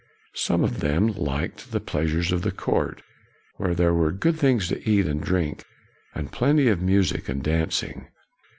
Some of them liked the pleasures of the court, where there were good things to eat and drink, and plenty of music and dancing.